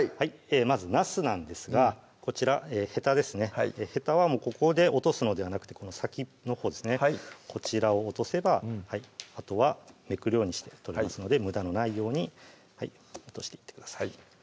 まずなすなんですがこちらヘタですねヘタはここで落とすのではなくてこの先のほうですねこちらを落とせばあとはめくるようにして取れますのでむだのないように落としていってください